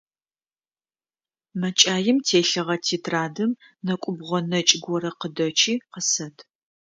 МэкӀаим телъыгъэ тетрадым нэкӀубгъо нэкӀ горэ къыдэчи, къысэт.